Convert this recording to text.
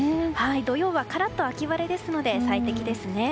土曜はカラッと秋晴れですので最適ですね。